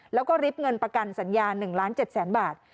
แล้วก็ริบเงินประกันสัญญา๑ล้าน๗แสนบาท